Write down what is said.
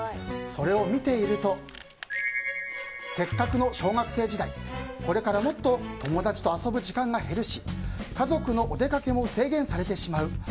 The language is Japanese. それを見ているとせっかくの小学生時代これからもっと友達と遊ぶ時間が減るし家族のお出かけも制限されてしまう。